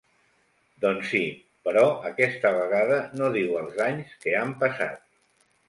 Doncs sí, però aquesta vegada no diu els anys que han passat.